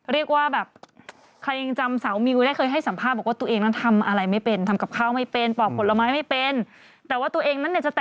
อืมจะเริ่มทำอาหารด้วยตัวเองนะคะลองดูนะคะวันนี้มันจะทำเมนูอะไรค่ะ